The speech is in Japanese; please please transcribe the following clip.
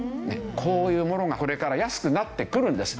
こういうものがこれから安くなってくるんです。